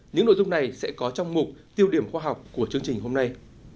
những nội dung này sẽ có trong mục tiêu điểm khoa học của chương trình hôm nay